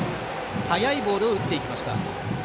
速いボールを打っていきました。